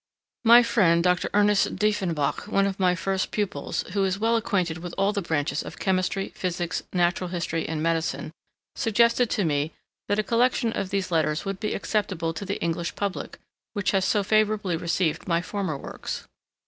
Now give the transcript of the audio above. My friend, Dr. Ernest Dieffenbach, one of my first pupils, who is well acquainted with all the branches of Chemistry, Physics, Natural History, and Medicine, suggested to me that a collection of these Letters would be acceptable to the English public, which has so favourably received my former works.